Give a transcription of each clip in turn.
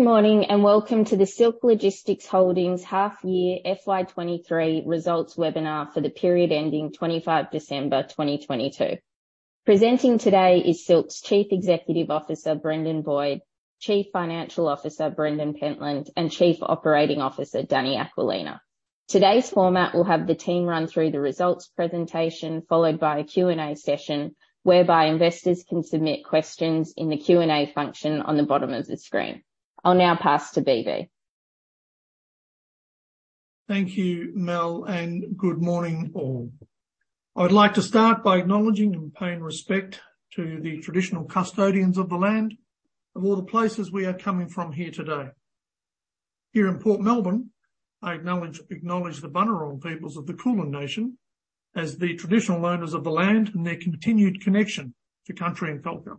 Good morning and welcome to the Silk Logistics Holdings Half Year FY 2023 results webinar for the period ending 25 December 2022. Presenting today is Silk's Chief Executive Officer, Brendan Boyd, Chief Financial Officer, Brendan Pentland, and Chief Operating Officer, Dani Aquilina. Today's format will have the team run through the results presentation followed by a Q&A session whereby investors can submit questions in the Q&A function on the bottom of the screen. I'll now pass to BV. Thank you, Mel. Good morning, all. I'd like to start by acknowledging and paying respect to the traditional custodians of the land of all the places we are coming from here today. Here in Port Melbourne, I acknowledge the Bunurong peoples of the Kulin nation as the traditional owners of the land and their continued connection to country and culture.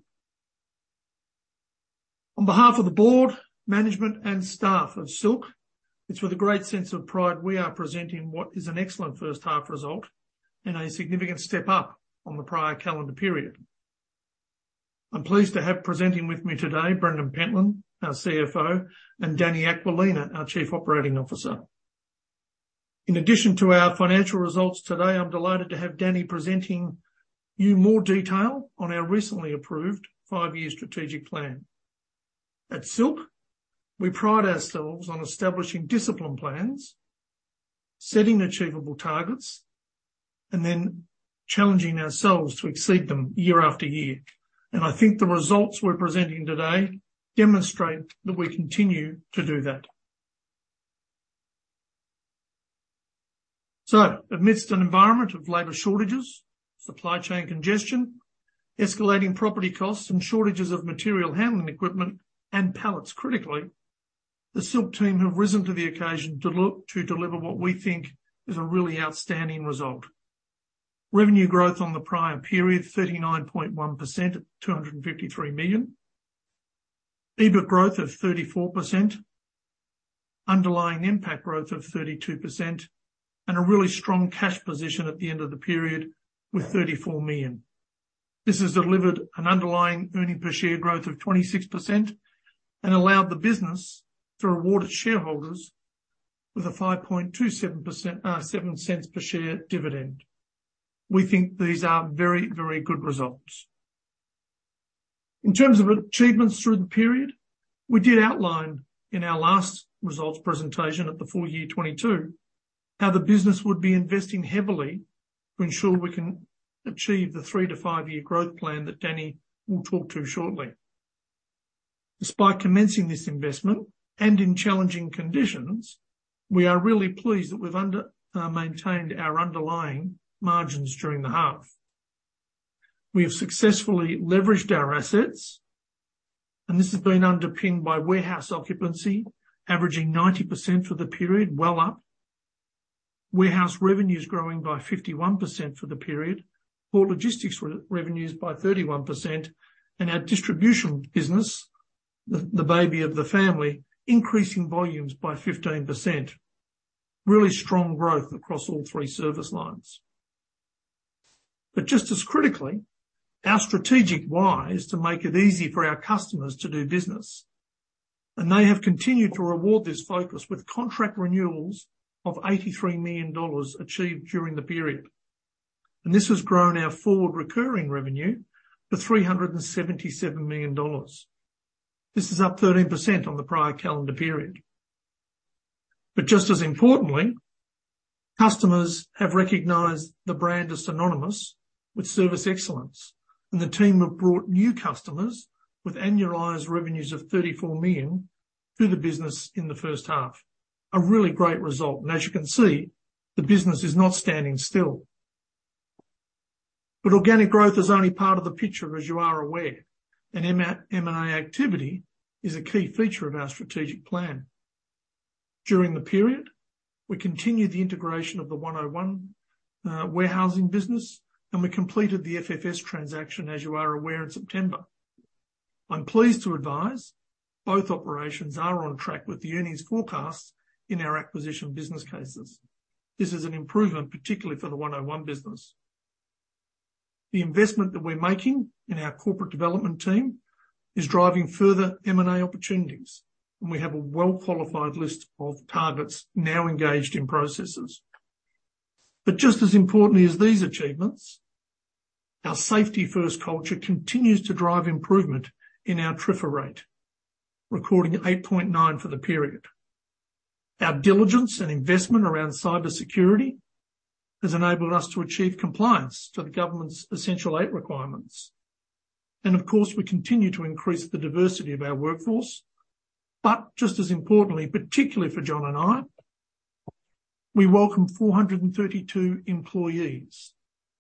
On behalf of the board, management, and staff of Silk, it's with a great sense of pride we are presenting what is an excellent first half result and a significant step up on the prior calendar period. I'm pleased to have presenting with me today, Brendan Pentland, our CFO, and Dani Aquilina, our Chief Operating Officer. In addition to our financial results today, I'm delighted to have Dani presenting you more detail on our recently approved five-year strategic plan. At Silk, we pride ourselves on establishing discipline plans, setting achievable targets, and then challenging ourselves to exceed them year after year. I think the results we're presenting today demonstrate that we continue to do that. Amidst an environment of labor shortages, supply chain congestion, escalating property costs, and shortages of material handling equipment and pallets critically, the Silk team have risen to the occasion to deliver what we think is a really outstanding result. Revenue growth on the prior period, 39.1% at 253 million. EBIT growth of 34%. Underlying NPAT growth of 32%. A really strong cash position at the end of the period with 34 million. This has delivered an underlying earning per share growth of 26% and allowed the business to reward its shareholders with a 5.27%, 0.07 per share dividend. We think these are very, very good results. In terms of achievements through the period, we did outline in our last results presentation at the full year FY 2022 how the business would be investing heavily to ensure we can achieve the three-to-five-year growth plan that Dani will talk to shortly. Despite commencing this investment and in challenging conditions, we are really pleased that we've maintained our underlying margins during the half. We have successfully leveraged our assets, and this has been underpinned by warehouse occupancy, averaging 90% for the period, well up. Warehouse revenues growing by 51% for the period. Port logistics revenues by 31%. Our distribution business, the baby of the family, increasing volumes by 15%. Really strong growth across all three service lines. Just as critically, our strategic why is to make it easy for our customers to do business. They have continued to reward this focus with contract renewals of 83 million dollars achieved during the period. This has grown our forward recurring revenue to 377 million dollars. This is up 13% on the prior calendar period. Just as importantly, customers have recognized the brand as synonymous with service excellence, and the team have brought new customers with annualized revenues of 34 million to the business in the first half. A really great result. As you can see, the business is not standing still. Organic growth is only part of the picture, as you are aware, and M&A activity is a key feature of our strategic plan. During the period, we continued the integration of the 101Warehousing business, and we completed the FFS transaction, as you are aware, in September. I'm pleased to advise both operations are on track with the earnings forecasts in our acquisition business cases. This is an improvement, particularly for the 101 business. The investment that we're making in our corporate development team is driving further M&A opportunities, and we have a well-qualified list of targets now engaged in processes. Just as importantly as these achievements, our safety-first culture continues to drive improvement in our TRIFR rate, recording 8.9 for the period. Our diligence and investment around cybersecurity has enabled us to achieve compliance to the government's Essential Eight requirements. Of course, we continue to increase the diversity of our workforce. Just as importantly, particularly for John and I, we welcome 432 employees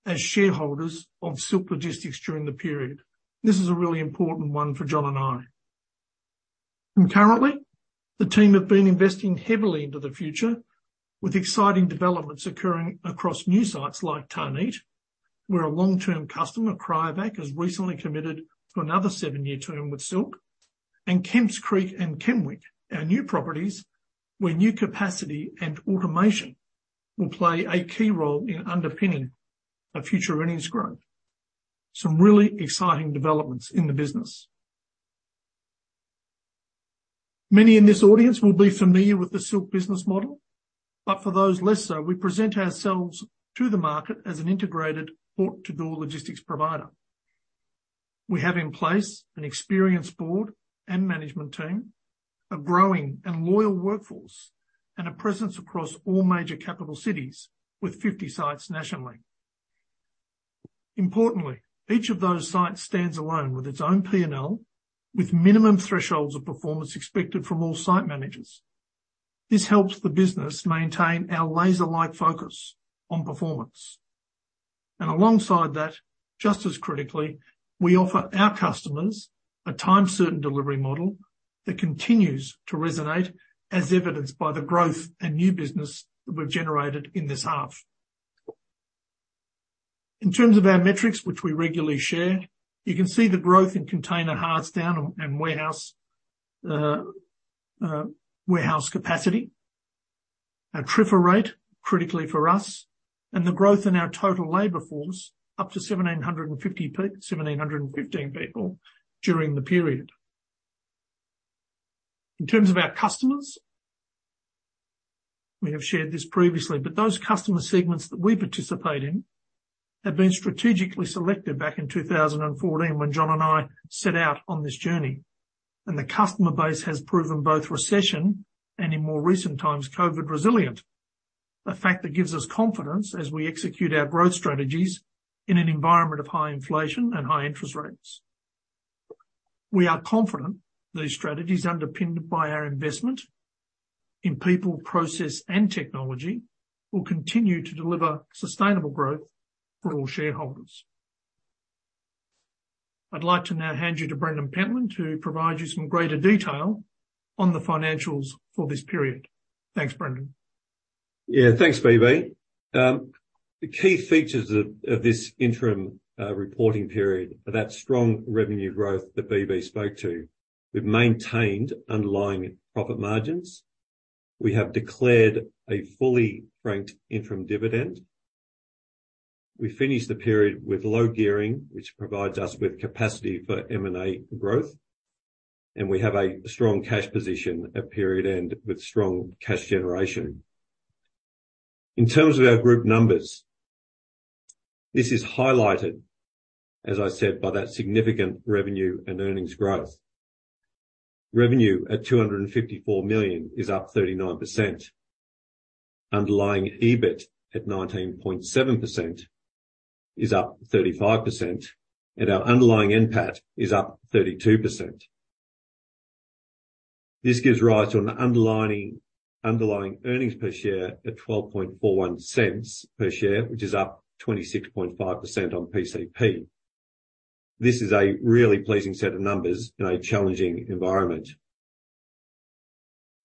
as shareholders of Silk Logistics during the period. This is a really important one for John and I. Concurrently, the team have been investing heavily into the future with exciting developments occurring across new sites like Tarneit, where a long-term customer, CRYOVAC, has recently committed to another seven-year term with Silk. Kemps Creek and Kenwick, our new properties, where new capacity and automation will play a key role in underpinning our future earnings growth. Some really exciting developments in the business. Many in this audience will be familiar with the Silk business model, but for those less so, we present ourselves to the market as an integrated port-to-door logistics provider. We have in place an experienced board and management team, a growing and loyal workforce, and a presence across all major capital cities with 50 sites nationally. Importantly, each of those sites stands alone with its own P&L, with minimum thresholds of performance expected from all site managers. This helps the business maintain our laser-like focus on performance. Alongside that, just as critically, we offer our customers a time-certain delivery model that continues to resonate, as evidenced by the growth and new business that we've generated in this half. In terms of our metrics, which we regularly share, you can see the growth in container hardstand and warehouse capacity. Our tripper rate, critically for us, and the growth in our total labor force up to 1,715 people during the period. In terms of our customers, we have shared this previously, but those customer segments that we participate in have been strategically selected back in 2014 when John and I set out on this journey. The customer base has proven both recession and in more recent times, COVID resilient. A fact that gives us confidence as we execute our growth strategies in an environment of high inflation and high interest rates. We are confident these strategies, underpinned by our investment in people, process, and technology, will continue to deliver sustainable growth for all shareholders. I'd like to now hand you to Brendan Pentland to provide you some greater detail on the financials for this period. Thanks, Brendan. Yeah. Thanks, BB. The key features of this interim reporting period are that strong revenue growth that BB spoke to. We've maintained underlying profit margins. We have declared a fully franked interim dividend. We finished the period with low gearing, which provides us with capacity for M&A growth. We have a strong cash position at period end with strong cash generation. In terms of our group numbers, this is highlighted, as I said, by that significant revenue and earnings growth. Revenue at 254 million is up 39%. Underlying EBIT at 19.7 is up 35%. Our underlying NPAT is up 32%. This gives rise to an underlying earnings per share at 0.1241 per share, which is up 26.5% on PCP. This is a really pleasing set of numbers in a challenging environment.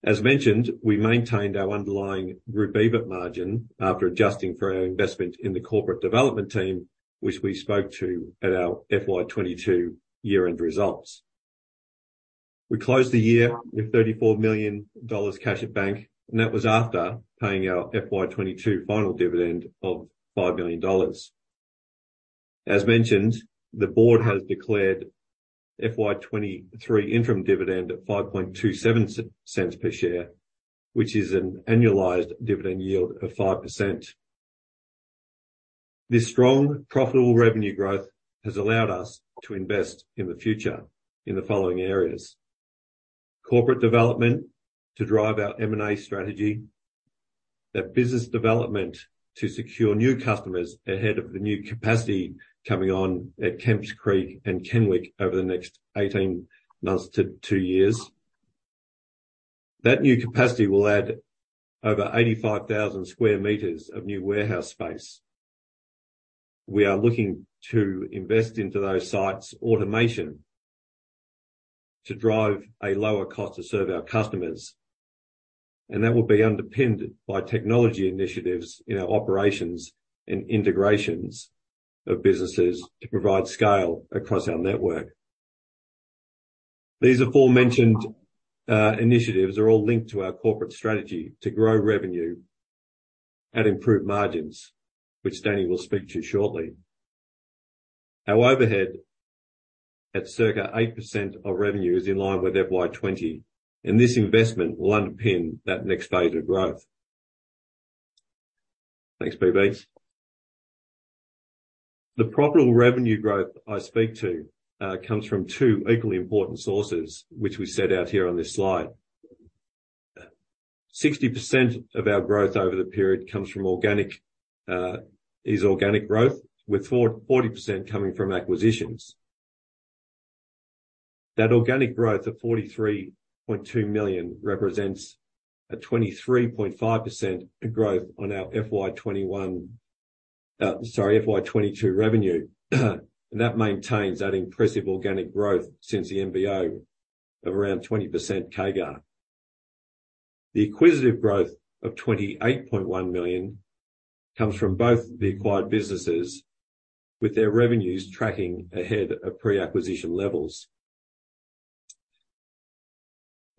As mentioned, we maintained our underlying group EBIT margin after adjusting for our investment in the corporate development team, which we spoke to at our FY 2022 year-end results. We closed the year with $34 million cash at bank, and that was after paying our FY 2022 final dividend of $5 million. As mentioned, the board has declared FY 2023 interim dividend at 0.0527 per share, which is an annualized dividend yield of 5%. This strong, profitable revenue growth has allowed us to invest in the future in the following areas: corporate development to drive our M&A strategy. The business development to secure new customers ahead of the new capacity coming on at Kemps Creek and Kenwick over the next 18 months to two years. That new capacity will add over 85,000 square meters of new warehouse space. We are looking to invest into those sites' automation to drive a lower cost to serve our customers, and that will be underpinned by technology initiatives in our operations and integrations of businesses to provide scale across our network. These aforementioned initiatives are all linked to our corporate strategy to grow revenue at improved margins, which Dani will speak to shortly. Our overhead at circa 8% of revenue is in line with FY 2020, and this investment will underpin that next phase of growth. Thanks, BB. The profitable revenue growth I speak to comes from two equally important sources, which we set out here on this slide. 60% of our growth over the period comes from organic, is organic growth, with 40% coming from acquisitions. That organic growth of 43.2 million represents a 23.5% growth on our FY 2021, sorry, FY 2022 revenue. That maintains that impressive organic growth since the MBO of around 20% CAGR. The acquisitive growth of 28.1 million comes from both the acquired businesses with their revenues tracking ahead of pre-acquisition levels.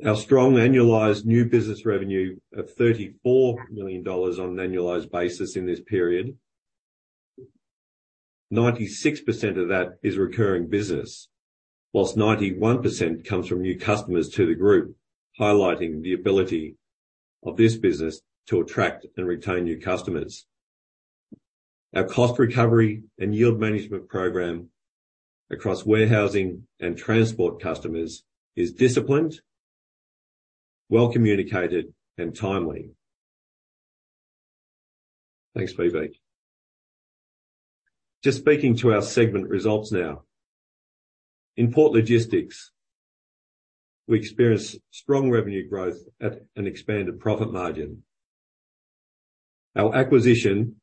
Our strong annualized new business revenue of 34 million dollars on an annualized basis in this period. 96% of that is recurring business, whilst 91% comes from new customers to the group, highlighting the ability of this business to attract and retain new customers. Our cost recovery and yield management program across warehousing and transport customers is disciplined, well-communicated and timely. Thanks, BV. Just speaking to our segment results now. In port logistics, we experienced strong revenue growth at an expanded profit margin. Our acquisition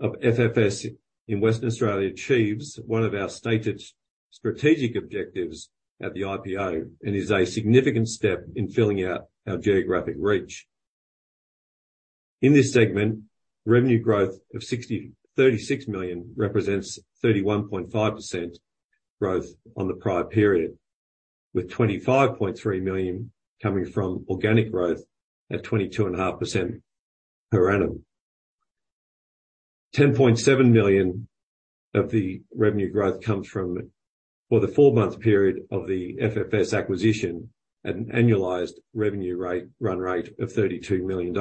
of FFS in Western Australia achieves one of our stated strategic objectives at the IPO and is a significant step in filling out our geographic reach. In this segment, revenue growth of 36 million represents 31.5% growth on the prior period, with 25.3 million coming from organic growth at 22.5% per annum. 10.7 million of the revenue growth comes from for the four-month period of the FFS acquisition at an annualized run rate of AUD 32 million.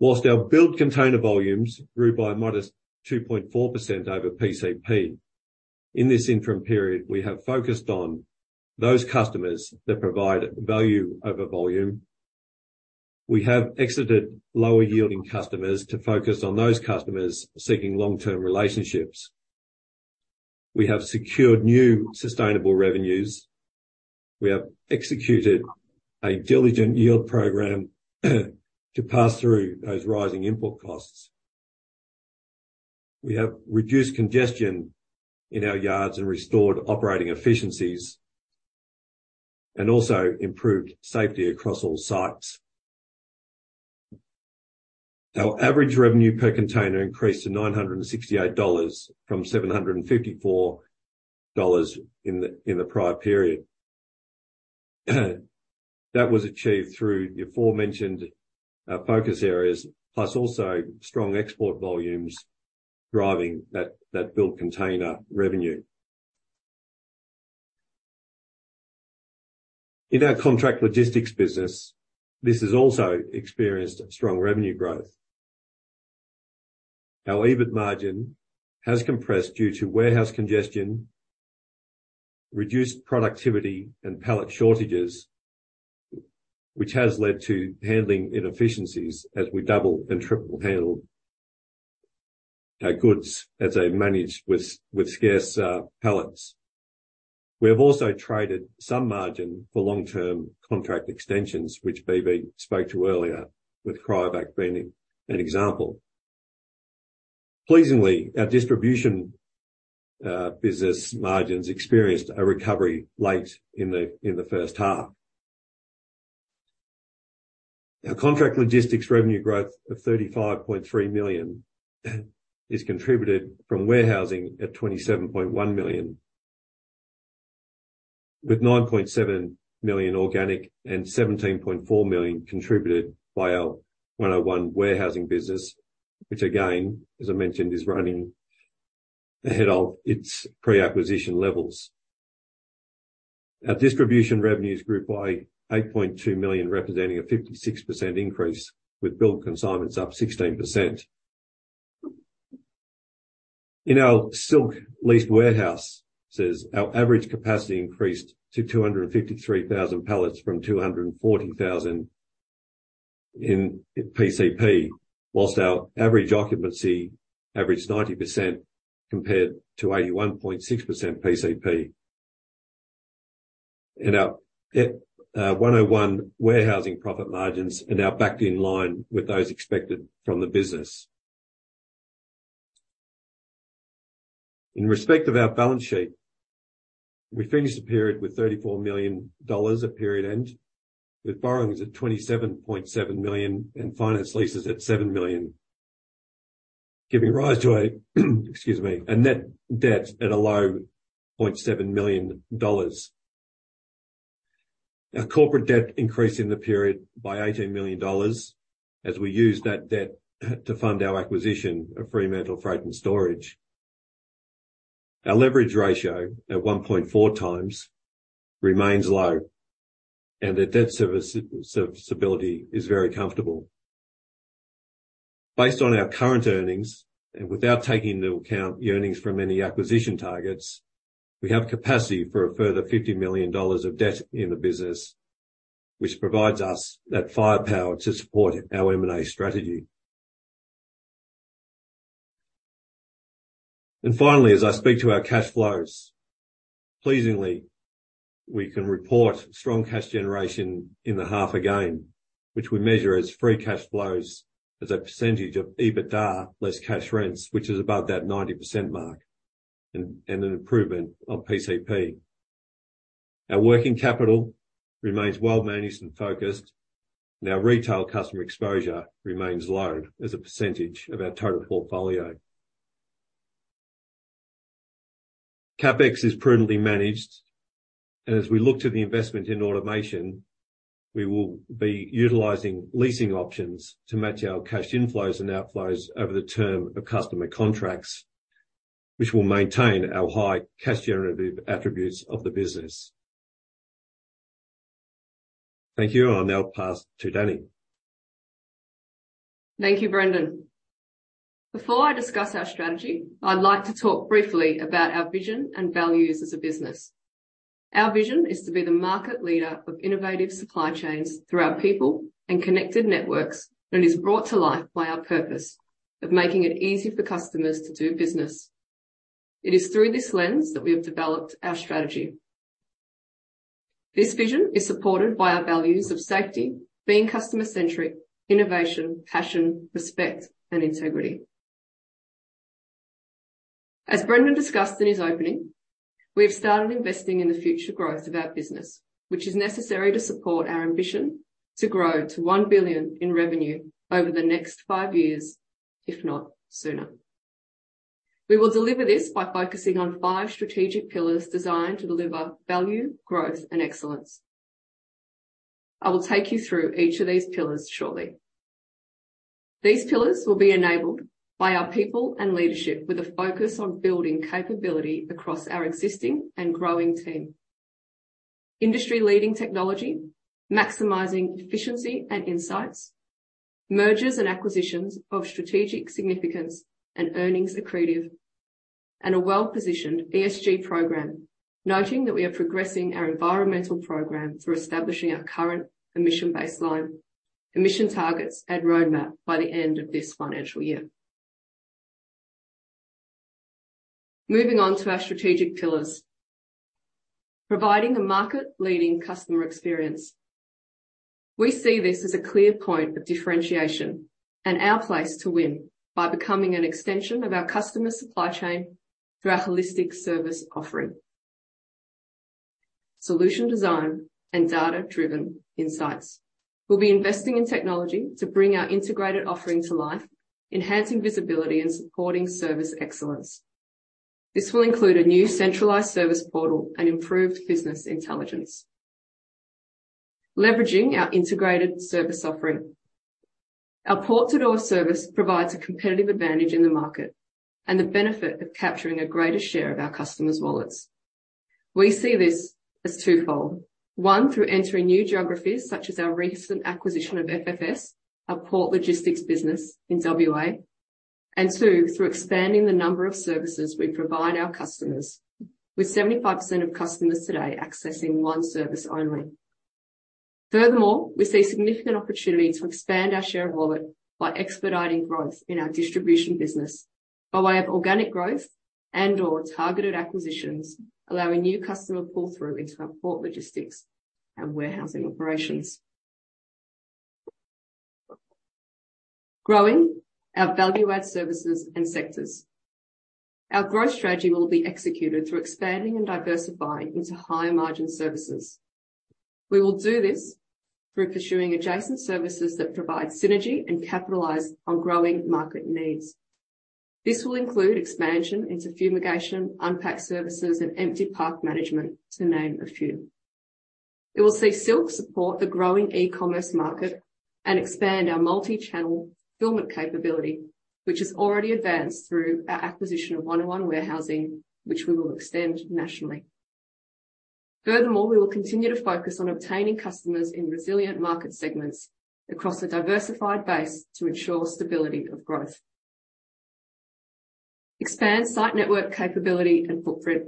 Whilst our build container volumes grew by a modest 2.4% over PCP, in this interim period, we have focused on those customers that provide value over volume. We have exited lower-yielding customers to focus on those customers seeking long-term relationships. We have secured new sustainable revenues. We have executed a diligent yield program to pass through those rising input costs. We have reduced congestion in our yards and restored operating efficiencies, and also improved safety across all sites. Our average revenue per container increased to $968 from $754 in the prior period. That was achieved through the aforementioned focus areas, plus also strong export volumes driving that build container revenue. In our contract logistics business, this has also experienced strong revenue growth. Our EBIT margin has compressed due to warehouse congestion, reduced productivity and pallet shortages, which has led to handling inefficiencies as we double and triple handle our goods as they managed with scarce pallets. We have also traded some margin for long-term contract extensions, which BV spoke to earlier, with CRYOVAC being an example. Pleasingly, our distribution business margins experienced a recovery late in the first half. Our contract logistics revenue growth of 35.3 million is contributed from warehousing at 27.1 million. With 9.7 million organic and 17.4 million contributed by our 101Warehousing business, which again, as I mentioned, is running ahead of its pre-acquisition levels. Our distribution revenues grew by 8.2 million, representing a 56% increase, with build consignments up 16%. In our Silk leased warehouse, says our average capacity increased to 253,000 pallets from 240,000 in PCP, whilst our average occupancy averaged 90% compared to 81.6% PCP. In our 101Warehousing profit margins are now backed in line with those expected from the business. In respect of our balance sheet, we finished the period with 34 million dollars at period end, with borrowings at 27.7 million and finance leases at 7 million, giving rise to a net debt at 0.7 million dollars. Our corporate debt increased in the period by 18 million dollars as we used that debt to fund our acquisition of Fremantle Freight & Storage. Our leverage ratio at 1.4 times remains low, our debt service serviceability is very comfortable. Based on our current earnings, without taking into account the earnings from any acquisition targets, we have capacity for a further 50 million dollars of debt in the business, which provides us that firepower to support our M&A strategy. Finally, as I speak to our cash flows, pleasingly, we can report strong cash generation in the half again, which we measure as free cash flows as a percentage of EBITDA less cash rents, which is above that 90% mark and an improvement on PCP. Our working capital remains well-managed and focused, and our retail customer exposure remains low as a percentage of our total portfolio. CapEx is prudently managed. As we look to the investment in automation, we will be utilizing leasing options to match our cash inflows and outflows over the term of customer contracts, which will maintain our high cash generative attributes of the business. Thank you. I'll now pass to Dani. Thank you, Brendan. Before I discuss our strategy, I'd like to talk briefly about our vision and values as a business. Our vision is to be the market leader of innovative supply chains through our people and connected networks, and is brought to life by our purpose of making it easy for customers to do business. It is through this lens that we have developed our strategy. This vision is supported by our values of safety, being customer-centric, innovation, passion, respect, and integrity. As Brendan discussed in his opening, we have started investing in the future growth of our business, which is necessary to support our ambition to grow to 1 billion in revenue over the next five years, if not sooner. We will deliver this by focusing on five strategic pillars designed to deliver value, growth, and excellence. I will take you through each of these pillars shortly. These pillars will be enabled by our people and leadership, with a focus on building capability across our existing and growing team. Industry-leading technology, maximizing efficiency and insights, mergers and acquisitions of strategic significance and earnings accretive, and a well-positioned ESG program. Noting that we are progressing our environmental program through establishing our current emission baseline, emission targets, and roadmap by the end of this financial year. Moving on to our strategic pillars. Providing a market-leading customer experience. We see this as a clear point of differentiation and our place to win by becoming an extension of our customer supply chain through our holistic service offering. Solution design and data-driven insights. We'll be investing in technology to bring our integrated offering to life, enhancing visibility, and supporting service excellence. This will include a new centralized service portal and improved business intelligence. Leveraging our integrated service offering. Our port-to-door service provides a competitive advantage in the market and the benefit of capturing a greater share of our customers' wallets. We see this as twofold. One, through entering new geographies, such as our recent acquisition of FFS, our port logistics business in WA. Two, through expanding the number of services we provide our customers. With 75% of customers today accessing one service only. Furthermore, we see significant opportunity to expand our share of wallet by expediting growth in our distribution business by way of organic growth and/or targeted acquisitions, allowing new customer pull-through into our port logistics and warehousing operations. Growing our value-add services and sectors. Our growth strategy will be executed through expanding and diversifying into higher-margin services. We will do this through pursuing adjacent services that provide synergy and capitalize on growing market needs. This will include expansion into fumigation, unpack services, and empty park management, to name a few. It will see Silk support the growing e-commerce market and expand our multi-channel fulfillment capability, which is already advanced through our acquisition of 101 Warehousing, which we will extend nationally. We will continue to focus on obtaining customers in resilient market segments across a diversified base to ensure stability of growth. Expand site network capability and footprint.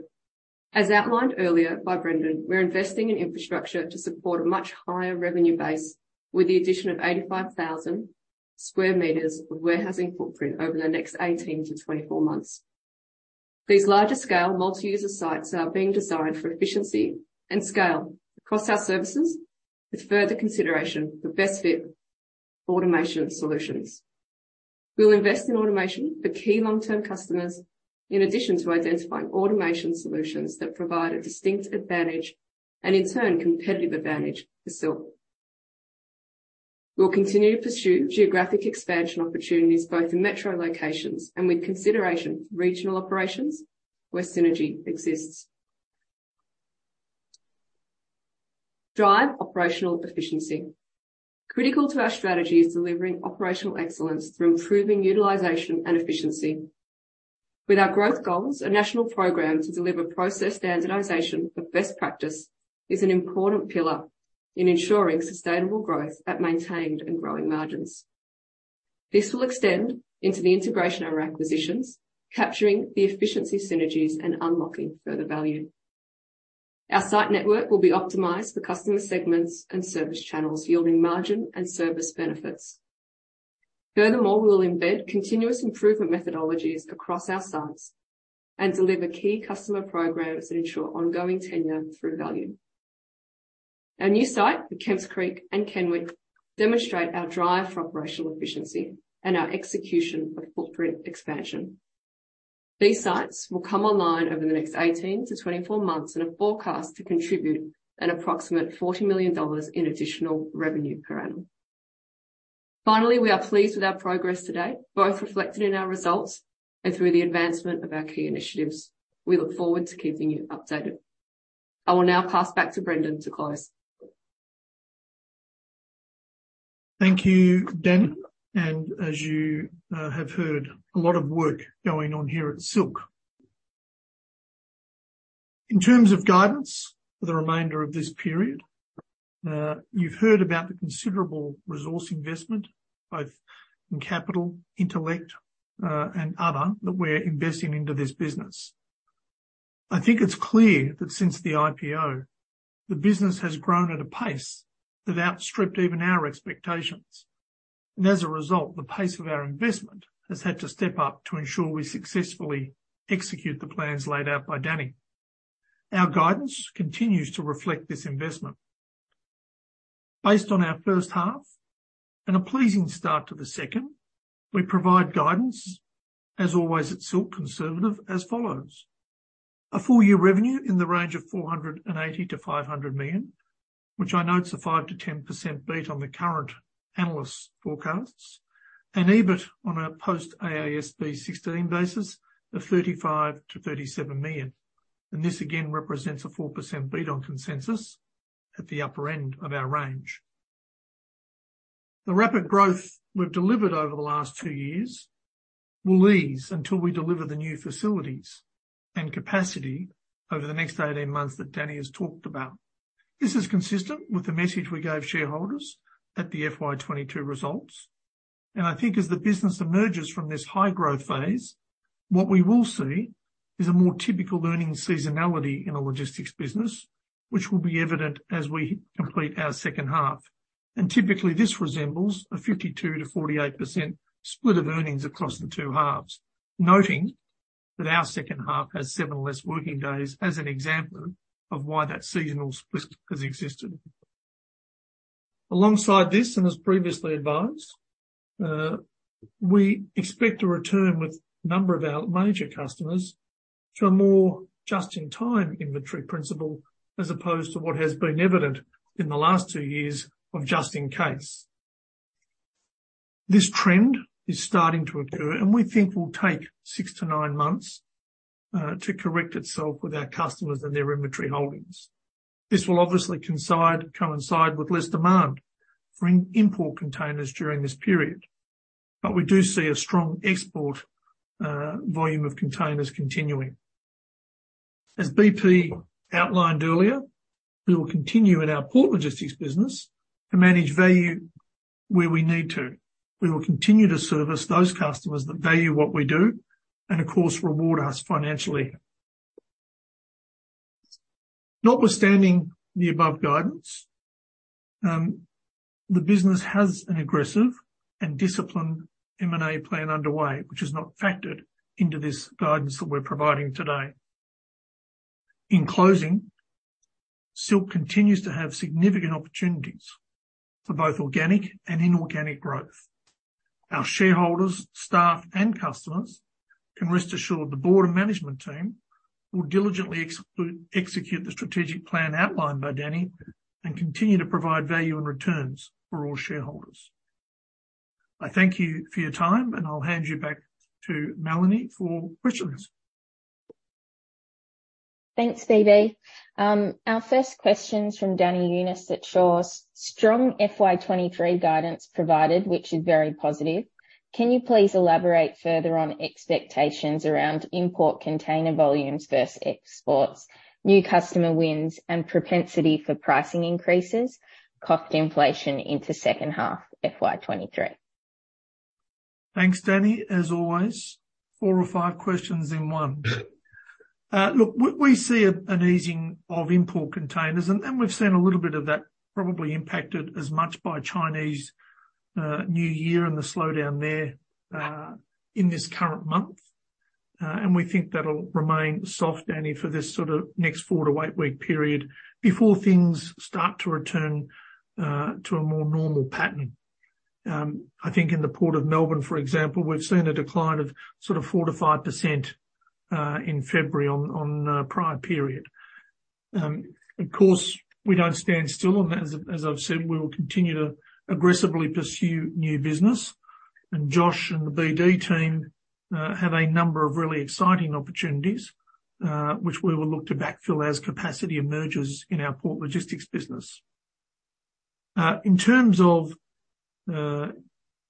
As outlined earlier by Brendan, we're investing in infrastructure to support a much higher revenue base with the addition of 85,000 square meters of warehousing footprint over the next 18 to 24 months. These larger-scale multi-user sites are being designed for efficiency and scale across our services with further consideration for best fit automation solutions. We'll invest in automation for key long-term customers in addition to identifying automation solutions that provide a distinct advantage and in turn, competitive advantage for Silk. We'll continue to pursue geographic expansion opportunities both in metro locations and with consideration for regional operations where synergy exists. Drive operational efficiency. Critical to our strategy is delivering operational excellence through improving utilization and efficiency. With our growth goals, a national program to deliver process standardization for best practice is an important pillar in ensuring sustainable growth at maintained and growing margins. This will extend into the integration of our acquisitions, capturing the efficiency synergies and unlocking further value. Our site network will be optimized for customer segments and service channels, yielding margin and service benefits. Furthermore, we will embed continuous improvement methodologies across our sites and deliver key customer programs that ensure ongoing tenure through value. Our new site at Kemps Creek and Kenwick demonstrate our drive for operational efficiency and our execution of footprint expansion. These sites will come online over the next 18-24 months and are forecast to contribute an approximate 40 million dollars in additional revenue per annum. Finally, we are pleased with our progress today, both reflected in our results and through the advancement of our key initiatives. We look forward to keeping you updated. I will now pass back to Brendan to close. Thank you, Dani. As you have heard, a lot of work going on here at Silk. In terms of guidance for the remainder of this period, you've heard about the considerable resource investment, both in capital, intellect, and other, that we're investing into this business. I think it's clear that since the IPO, the business has grown at a pace that outstripped even our expectations. As a result, the pace of our investment has had to step up to ensure we successfully execute the plans laid out by Danni. Our guidance continues to reflect this investment. Based on our first half and a pleasing start to the second, we provide guidance, as always at Silk, conservative as follows: A full year revenue in the range of 480 -500 million, which I note is a 5%-10% beat on the current analyst forecasts. An EBIT on a post IFRS 16 basis of 35million -37 million. This again represents a 4% beat on consensus at the upper end of our range. The rapid growth we've delivered over the last two years will ease until we deliver the new facilities and capacity over the next 18 months that Dani has talked about. This is consistent with the message we gave shareholders at the FY 2022 results. I think as the business emerges from this high growth phase, what we will see is a more typical earnings seasonality in a logistics business, which will be evident as we complete our second half. Typically this resembles a 52%-48% split of earnings across the two halves, noting that our second half has seven less working days as an example of why that seasonal split has existed. Alongside this, and as previously advised, we expect to return with a number of our major customers to a more just-in-time inventory principle, as opposed to what has been evident in the last two years of just in case. This trend is starting to occur, and we think will take six-nine months to correct itself with our customers and their inventory holdings. This will obviously coincide with less demand for import containers during this period. We do see a strong export volume of containers continuing. As BP outlined earlier, we will continue in our port logistics business to manage value where we need to. We will continue to service those customers that value what we do and of course, reward us financially. Notwithstanding the above guidance, the business has an aggressive and disciplined M&A plan underway, which is not factored into this guidance that we're providing today. In closing, Silk continues to have significant opportunities for both organic and inorganic growth. Our shareholders, staff, and customers can rest assured the board and management team will diligently execute the strategic plan outlined by Dani and continue to provide value and returns for all shareholders. I thank you for your time, and I'll hand you back to Melanie for questions. Thanks, BD. Our first question is from Danny Younis at Shaw. Strong FY 2023 guidance provided, which is very positive. Can you please elaborate further on expectations around import container volumes versus exports, new customer wins, and propensity for pricing increases, cost inflation into second half FY 2023? Thanks, Danny. As always, four or five questions in one. look, we see an easing of import containers and we've seen a little bit of that probably impacted as much by Chinese New Year and the slowdown there in this current month. We think that'll remain soft, Danny, for this sort of next four-eight-week period before things start to return to a more normal pattern. I think in the Port of Melbourne, for example, we've seen a decline of sort of 4%-5% in February on prior period. Of course, we don't stand still. As I've said, we will continue to aggressively pursue new business. Josh and the BD team have a number of really exciting opportunities, which we will look to backfill as capacity emerges in our port logistics business. In terms of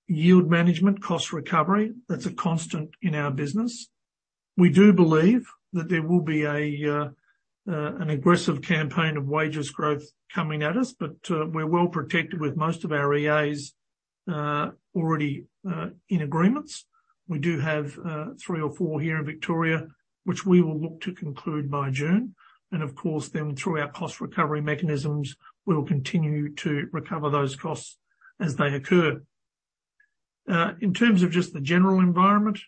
yield management, cost recovery, that's a constant in our business. We do believe that there will be an aggressive campaign of wages growth coming at us, but we're well protected with most of our EAs already in agreements. We do have three or four here in Victoria, which we will look to conclude by June. Of course then through our cost recovery mechanisms, we will continue to recover those costs as they occur. In terms of just the general environment,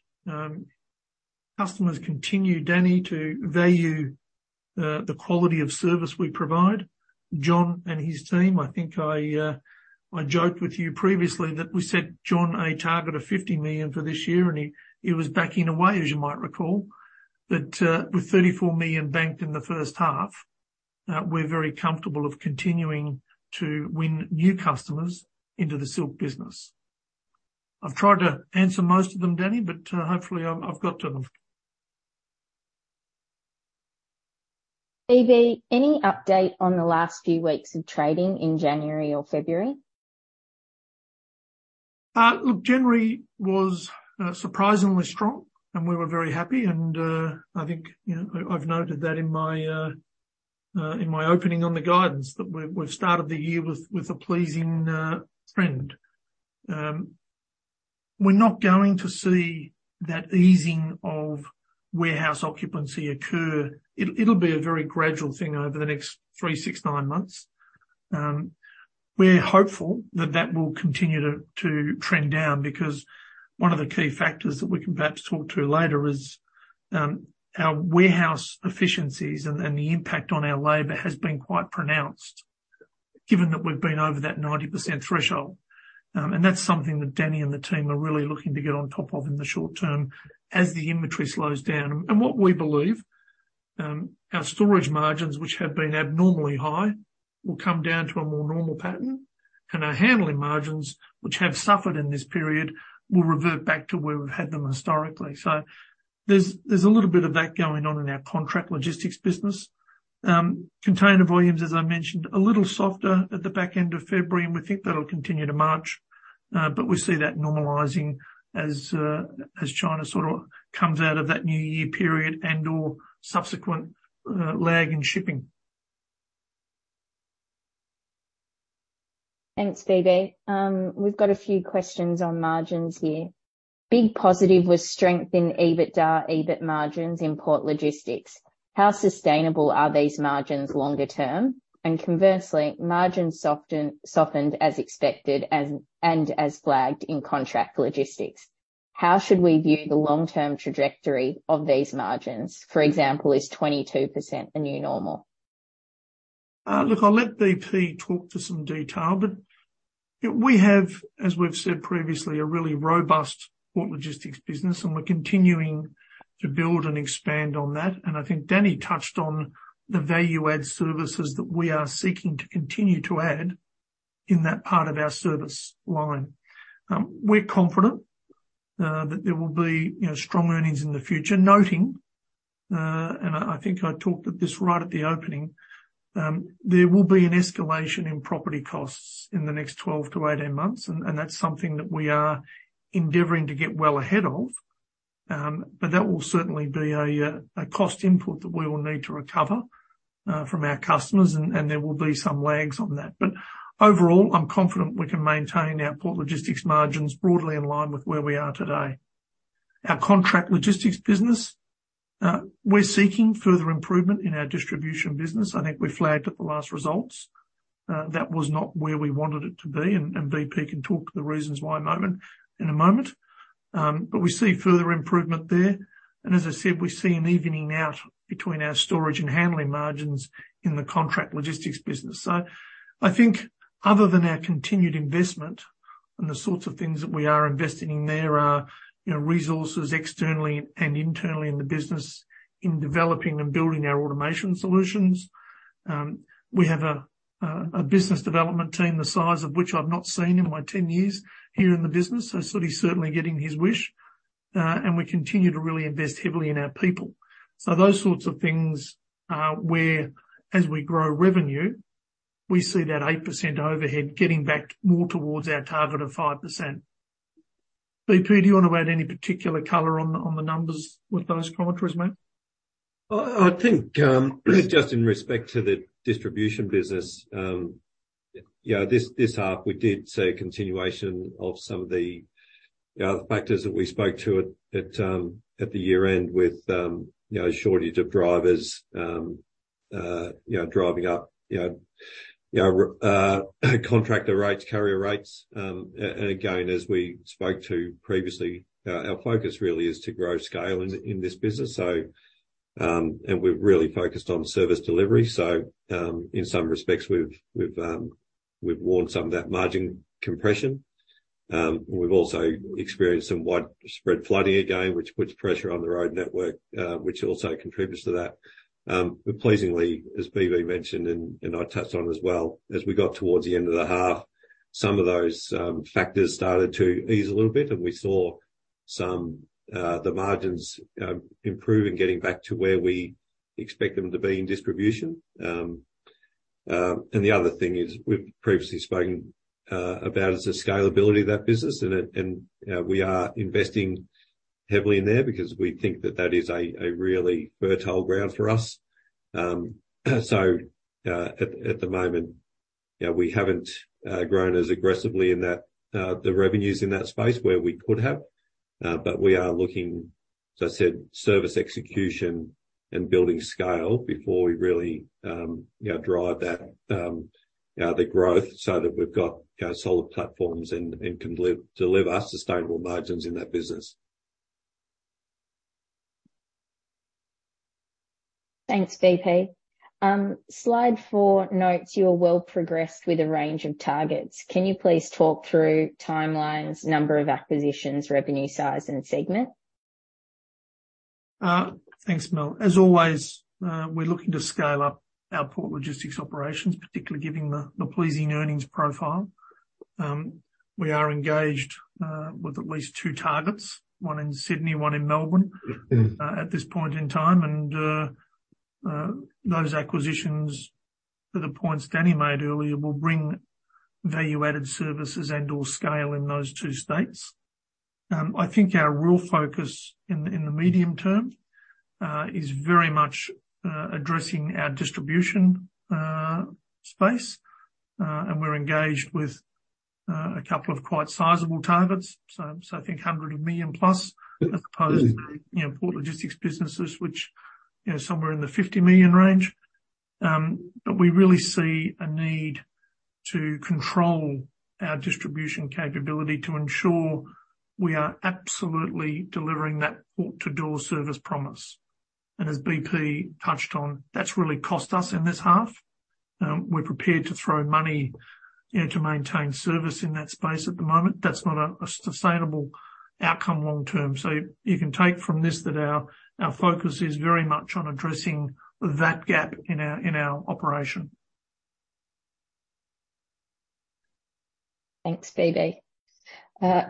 customers continue, Danny, to value the quality of service we provide. John and his team, I think I joked with you previously that we set John a target of 50 million for this year, and he was backing away, as you might recall. With 34 million banked in the first half, we're very comfortable of continuing to win new customers into the Silk business. I've tried to answer most of them, Danny, but hopefully I've got to them. B.B., any update on the last few weeks of trading in January or February? Look, January was surprisingly strong, and we were very happy. I think, you know, I've noted that in my opening on the guidance that we've started the year with a pleasing trend. We're not going to see that easing of warehouse occupancy occur. It'll be a very gradual thing over the next three, six, nine months. We're hopeful that that will continue to trend down because one of the key factors that we can perhaps talk to later is our warehouse efficiencies and the impact on our labor has been quite pronounced given that we've been over that 90% threshold. That's something that Danny and the team are really looking to get on top of in the short term as the inventory slows down. What we believe, our storage margins, which have been abnormally high, will come down to a more normal pattern, and our handling margins, which have suffered in this period, will revert back to where we've had them historically. There's a little bit of that going on in our contract logistics business. Container volumes, as I mentioned, a little softer at the back end of February, and we think that'll continue to March. We see that normalizing as China sort of comes out of that new year period and/or subsequent lag in shipping. Thanks, BB. We've got a few questions on margins here. Big positive was strength in EBITDA, EBIT margins in port logistics. How sustainable are these margins longer term? Conversely, margins softened as expected and as flagged in contract logistics. How should we view the long-term trajectory of these margins? For example, is 22% a new normal? Look, I'll let BP talk to some detail, but, you know, we have, as we've said previously, a really robust port logistics business and we're continuing to build and expand on that. I think Danny touched on the value-add services that we are seeking to continue to add in that part of our service line. We're confident that there will be, you know, strong earnings in the future. Noting, I think I talked at this right at the opening, there will be an escalation in property costs in the next 12 to 18 months, and that's something that we are endeavoring to get well ahead of. That will certainly be a cost input that we will need to recover from our customers, and there will be some lags on that. Overall, I'm confident we can maintain our port logistics margins broadly in line with where we are today. Our contract logistics business, we're seeking further improvement in our distribution business. I think we flagged at the last results, that was not where we wanted it to be, and BP can talk to the reasons why in a moment. We see further improvement there. As I said, we see an evening out between our storage and handling margins in the contract logistics business. I think other than our continued investment and the sorts of things that we are investing in, there are, you know, resources externally and internally in the business in developing and building our automation solutions. We have a business development team the size of which I've not seen in my 10 years here in the business. Sudhi's certainly getting his wish. We continue to really invest heavily in our people. Those sorts of things are where as we grow revenue, we see that 8% overhead getting back more towards our target of 5%. BP, do you wanna add any particular color on the numbers with those parameters, mate? I think just in respect to the distribution business, you know, this half we did see a continuation of some of the, you know, the factors that we spoke to at the year-end with, you know, a shortage of drivers, you know, driving up, you know, contractor rates, carrier rates. And again, as we spoke to previously, our focus really is to grow scale in this business. And we're really focused on service delivery. In some respects, we've warned some of that margin compression. We've also experienced some widespread flooding again, which puts pressure on the road network, which also contributes to that. Pleasingly, as BB mentioned and I touched on as well, as we got towards the end of the half, some of those factors started to ease a little bit and we saw some the margins improve and getting back to where we expect them to be in distribution. The other thing is we've previously spoken about is the scalability of that business. You know, we are investing heavily in there because we think that that is a really fertile ground for us. At the moment, you know, we haven't grown as aggressively in that, the revenues in that space where we could have. We are looking, as I said, service execution and building scale before we really, you know, drive that, the growth so that we've got, you know, solid platforms and can deliver sustainable margins in that business. Thanks, BP. Slide four notes you're well progressed with a range of targets. Can you please talk through timelines, number of acquisitions, revenue size, and segment? Thanks, Mel. As always, we're looking to scale up our port logistics operations, particularly giving the pleasing earnings profile. We are engaged with at least two targets, one in Sydney, one in Melbourne at this point in time. Those acquisitions, to the points Danny made earlier, will bring value-added services and/or scale in those two states. I think our real focus in the medium term is very much addressing our distribution space. We're engaged with a couple of quite sizable targets, so I think 100 million plus, as opposed to, you know, port logistics businesses, which you know, somewhere in the 50 million range. We really see a need to control our distribution capability to ensure we are absolutely delivering that port-to-door service promise. As BP touched on, that's really cost us in this half. We're prepared to throw money, you know, to maintain service in that space at the moment. That's not a sustainable outcome long term. You can take from this that our focus is very much on addressing that gap in our operation. Thanks, BP.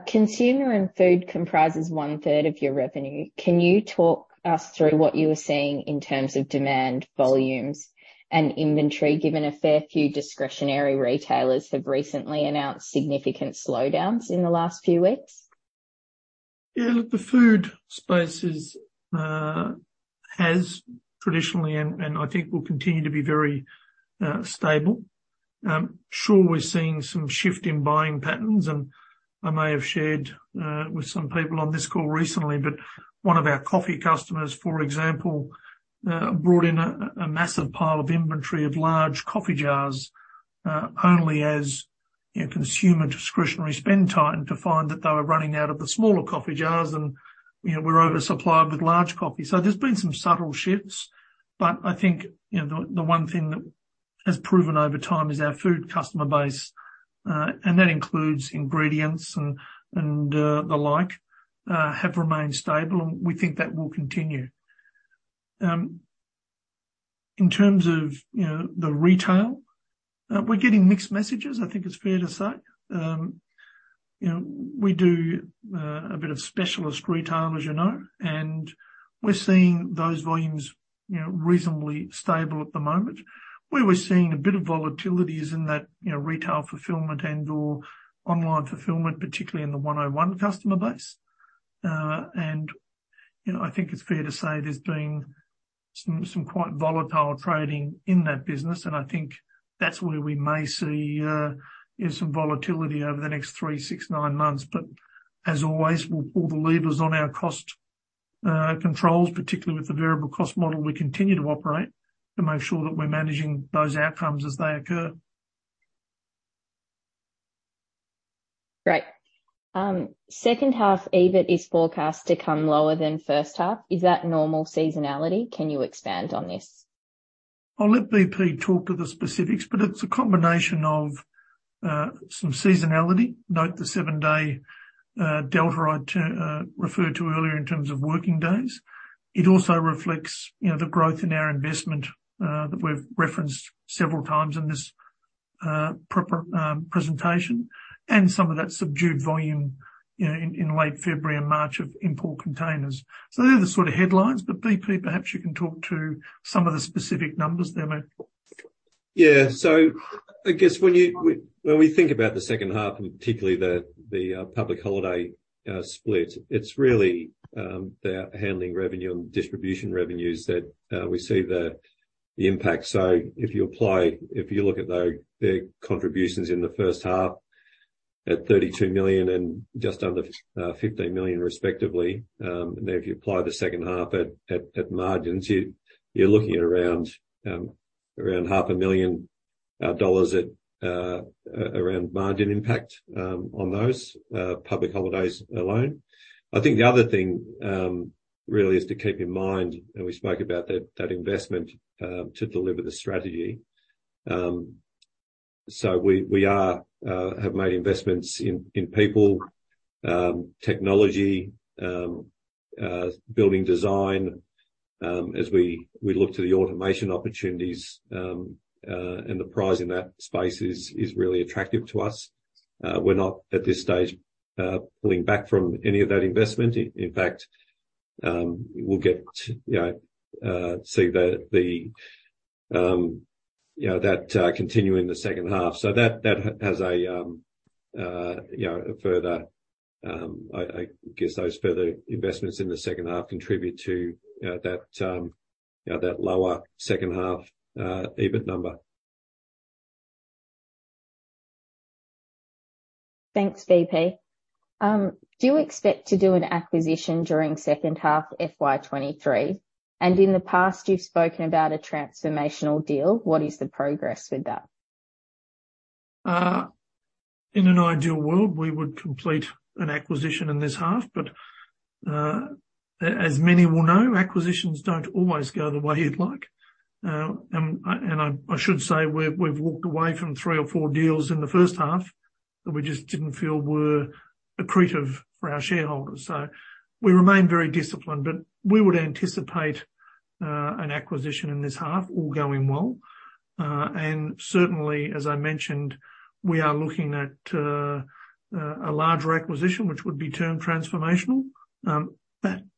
Consumer and food comprises one third of your revenue. Can you talk us through what you were seeing in terms of demand, volumes, and inventory, given a fair few discretionary retailers have recently announced significant slowdowns in the last few weeks? Yeah, look, the food space is has traditionally, and I think will continue to be very stable. Sure, we're seeing some shift in buying patterns, and I may have shared with some people on this call recently, but one of our coffee customers, for example, brought in a massive pile of inventory of large coffee jars only as consumer discretionary spend time to find that they were running out of the smaller coffee jars and, you know, we're over-supplied with large coffee. There's been some subtle shifts, but I think, you know, the one thing that has proven over time is our food customer base, and that includes ingredients and the like, have remained stable, and we think that will continue. In terms of, you know, the retail, we're getting mixed messages, I think it's fair to say. You know, we do a bit of specialist retail, as you know, and we're seeing those volumes, you know, reasonably stable at the moment. Where we're seeing a bit of volatility is in that, you know, retail fulfillment and/or online fulfillment, particularly in the one-on-one customer base. I think it's fair to say there's been some quite volatile trading in that business, and I think that's where we may see, you know, some volatility over the next three, six, nine months. As always, we'll pull the levers on our cost controls, particularly with the variable cost model we continue to operate, to make sure that we're managing those outcomes as they occur. Great. second half EBIT is forecast to come lower than first half. Is that normal seasonality? Can you expand on this? I'll let BP talk to the specifics. It's a combination of some seasonality. Note the seven-day delta I referred to earlier in terms of working days. It also reflects, you know, the growth in our investment that we've referenced several times in this presentation and some of that subdued volume, you know, in late February and March of import containers. They're the sort of headlines. BP, perhaps you can talk to some of the specific numbers there, mate. I guess when we think about the second half, and particularly the public holiday split, it's really about handling revenue and distribution revenues that we see the impact. If you look at the contributions in the first half at 32 million and just under 15 million respectively, and then if you apply the second half at margins, you're looking at around half a million dollars at around margin impact on those public holidays alone. The other thing really is to keep in mind, and we spoke about that investment to deliver the strategy. We have made investments in people, technology, building design, as we look to the automation opportunities, and the prize in that space is really attractive to us. We're not at this stage pulling back from any of that investment. In fact, we'll, you know, see that continue in the second half. That has a, you know, a further, I guess those further investments in the second half contribute to that, you know, that lower second half EBIT number. Thanks, BB. Do you expect to do an acquisition during second half FY 2023? In the past, you've spoken about a transformational deal. What is the progress with that? In an ideal world, we would complete an acquisition in this half, but as many will know, acquisitions don't always go the way you'd like. I should say we've walked away from three or four deals in the first half that we just didn't feel were accretive for our shareholders. We remain very disciplined, but we would anticipate an acquisition in this half, all going well. Certainly, as I mentioned, we are looking at a larger acquisition, which would be termed transformational.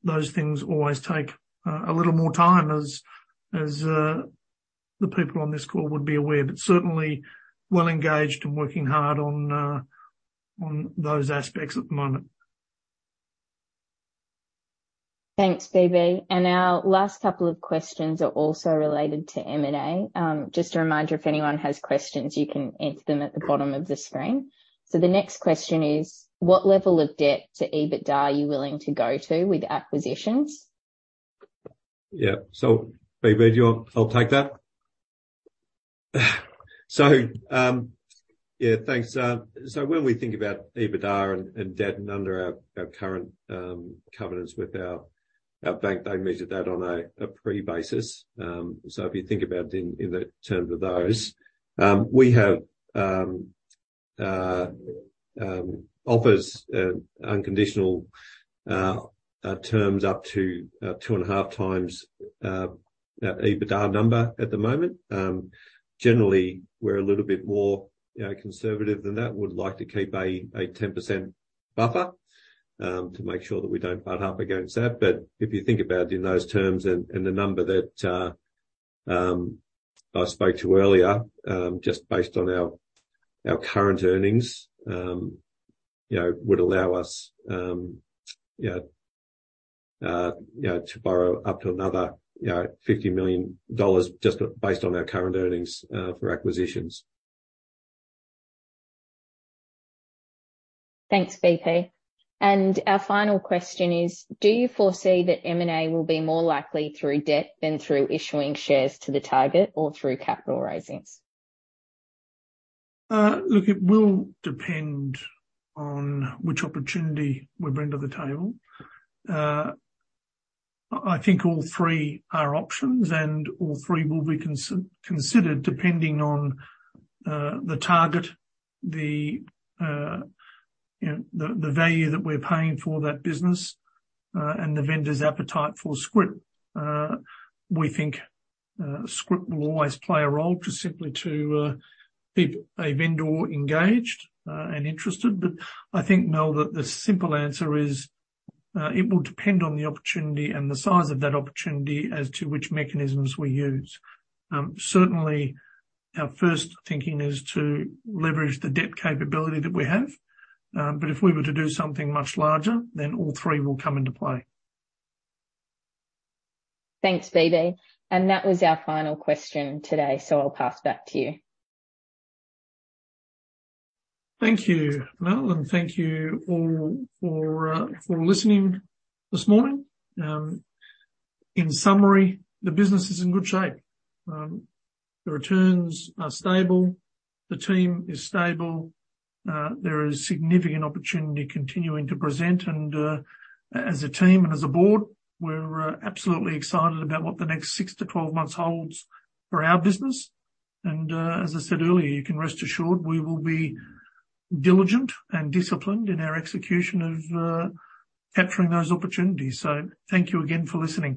Those things always take a little more time as the people on this call would be aware. Certainly well-engaged and working hard on those aspects at the moment. Thanks, BB. Our last couple of questions are also related to M&A. Just a reminder, if anyone has questions, you can enter them at the bottom of the screen. The next question is, what level of debt to EBITDA are you willing to go to with acquisitions? BB, I'll take that. Thanks. When we think about EBITDA and debt, and under our current covenants with our bank, they measured that on a pre basis. If you think about in the terms of those, we have offers unconditional terms up to 2.5x EBITDA number at the moment. Generally, we're a little bit more, you know, conservative than that. Would like to keep a 10% buffer to make sure that we don't butt up against that. If you think about in those terms and the number that I spoke to earlier, just based on our current earnings, you know, would allow us, you know, you know, to borrow up to another, you know, 50 million dollars just based on our current earnings for acquisitions. Thanks, BP. Our final question is: Do you foresee that M&A will be more likely through debt than through issuing shares to the target or through capital raisings? Look, it will depend on which opportunity we bring to the table. I think all three are options and all three will be considered depending on the target, the, you know, the value that we're paying for that business, and the vendor's appetite for scrip. We think scrip will always play a role just simply to keep a vendor engaged and interested. I think, Mel, that the simple answer is, it will depend on the opportunity and the size of that opportunity as to which mechanisms we use. Certainly our first thinking is to leverage the debt capability that we have. If we were to do something much larger, then all three will come into play. Thanks, BB. That was our final question today, so I'll pass back to you. Thank you, Mel, and thank you all for listening this morning. In summary, the business is in good shape. The returns are stable. The team is stable. There is significant opportunity continuing to present. As a team and as a board, we're absolutely excited about what the next 6-12 months holds for our business. As I said earlier, you can rest assured we will be diligent and disciplined in our execution of capturing those opportunities. Thank you again for listening.